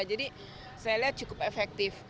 jadi saya lihat cukup efektif